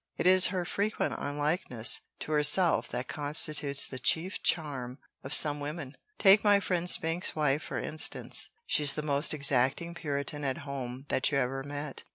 It is her frequent unlikeness to herself that constitutes the chief charm of some women. Take my friend Spinks' wife, for instance. She's the most exacting Puritan at home that you ever met.